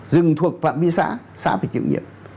rừng thuộc phạm vi xã xã phải chịu nhiệm